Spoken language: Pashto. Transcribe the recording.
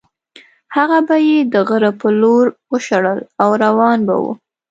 هغه به یې د غره په لور وشړل او روان به وو.